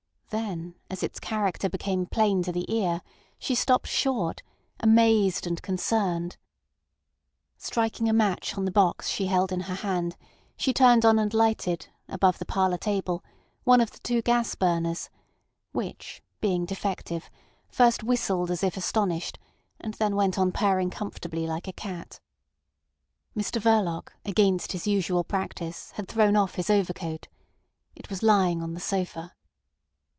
Then as its character became plain to the ear she stopped short, amazed and concerned. Striking a match on the box she held in her hand, she turned on and lighted, above the parlour table, one of the two gas burners, which, being defective, first whistled as if astonished, and then went on purring comfortably like a cat. Mr Verloc, against his usual practice, had thrown off his overcoat. It was lying on the sofa.